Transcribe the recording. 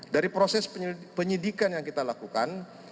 dari proses penyelidikan yang kita lakukan